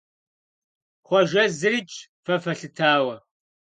Хъуэжэ зырикӀщ фэ фэлъытауэ.